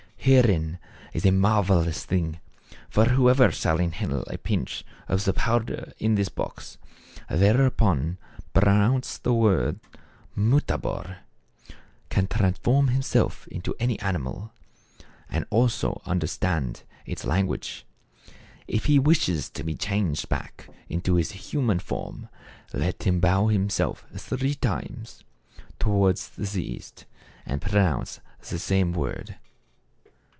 Herein is a marvel ous thing. For whosoever shall inhale a pinch of the powder in this box and there upon pronounce the one word 'Mutabor,' can transform him self into any animal, and also understand its language. If he wishes to be changed back into his human form, let him bow himself three times towards the east, and pronounce the same word.